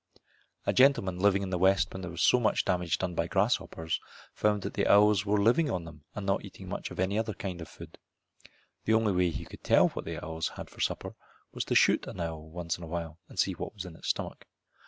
A gentleman living in the West when there was so much damage done by grasshoppers found that the owls were living on them and not eating much of any other kind of food. The only way he could tell what the owls had for supper was to shoot an owl once in awhile and see what was in its stomach.